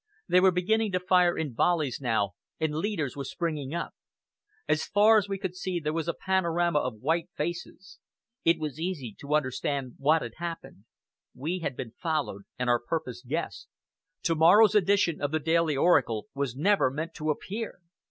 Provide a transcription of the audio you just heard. They were beginning to fire in volleys now, and leaders were springing up. As far as we could see there was a panorama of white faces. It was easy to understand what had happened. We had been followed, and our purpose guessed. Tomorrow's edition of the Daily Oracle was never meant to appear!